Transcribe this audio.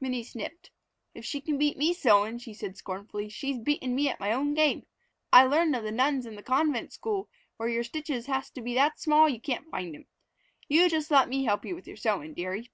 Minnie sniffed. "If she can beat me sewin'," she said scornfully, "she's beatin' me at my own game. I learned of the nuns in the convent school where your stitches has to be that small you can't find 'em. You just let me help with your sewin', dearie."